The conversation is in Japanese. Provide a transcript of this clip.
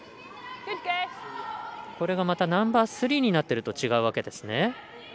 これがまたナンバースリーになってると違うわけですね。